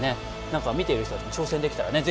なんか見てる人たちも挑戦できたらね